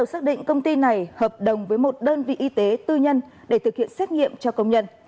xác định công ty này hợp đồng với một đơn vị y tế tư nhân để thực hiện xét nghiệm cho công nhân